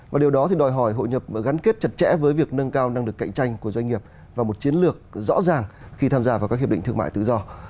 và điều đó thì đòi hỏi hội nhập gắn kết chặt chẽ với việc nâng cao năng lực cạnh tranh của doanh nghiệp và một chiến lược rõ ràng khi tham gia vào các hiệp định thương mại tự do